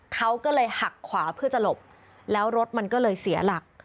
เขาก็เลยหักขวาเพื่อจะหลบแล้วรถมันก็เลยเสียหลัก